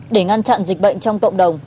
để ngăn chặn dịch bệnh trong cộng đồng